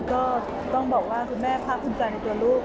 ก็ต้องบอกว่าคุณแม่พร้อมคุณใจในตัวลูก